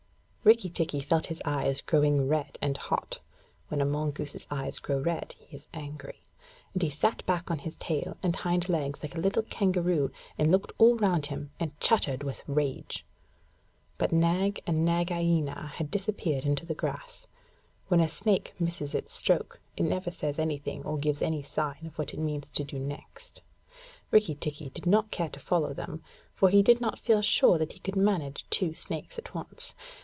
Rikki tikki felt his eyes growing red and hot (when a mongoose's eyes grow red, he is angry), and he sat back on his tail and hind legs like a little kangaroo, and looked all round him, and chattered with rage. But Nag and Nagaina had disappeared into the grass. When a snake misses its stroke, it never says anything or gives any sign of what it means to do next. Rikki tikki did not care to follow them, for he did not feel sure that he could manage two snakes at once.